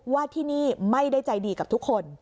ว่าที่นี่ไม่ได้ใจดีกับทุกคน